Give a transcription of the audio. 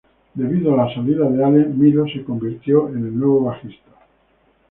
Debido a la salida de Allen, Milo se convirtió en el nuevo bajista.